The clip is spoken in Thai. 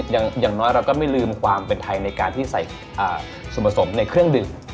อย่างน้อยเราก็ไม่ลืมความเป็นไทยในการที่ใส่ส่วนผสมในเครื่องดื่ม